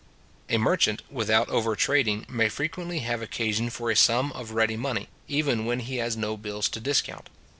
A merchant, without over trading, may frequently have occasion for a sum of ready money, even when he has no bills to discount.